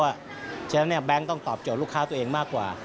เพราะฉะนั้นแบงค์ต้องตอบโจทย์ลูกค้าตัวเองมากกว่า